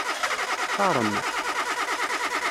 Teqqaṛem?